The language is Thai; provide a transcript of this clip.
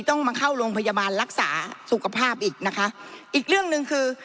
ต้องมาเข้าโรงพยาบาลรักษาสุขภาพอีกนะคะอีกเรื่องหนึ่งคือ